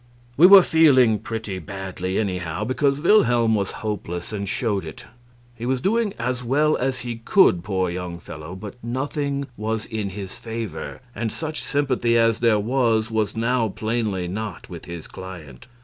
We were feeling pretty badly, anyhow, because Wilhelm was hopeless, and showed it. He was doing as well as he could, poor young fellow, but nothing was in his favor, and such sympathy as there was was now plainly not with his client.